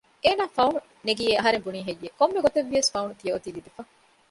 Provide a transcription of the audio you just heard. އޭނާ ފައުނު ނެގިއޭ އަހަރެން ބުނީހެއްޔެވެ؟ ކޮންމެ ގޮތެއްވިޔަސް ފައުނު ތިޔައޮތީ ލިބިފަ